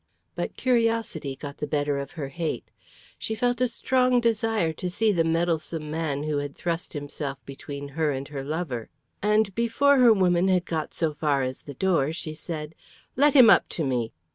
But curiosity got the better of her hate. She felt a strong desire to see the meddlesome man who had thrust himself between her and her lover; and before her woman had got so far as the door, she said, "Let him up to me!"